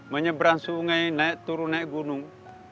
menyeberang sungai naik turun naik gunung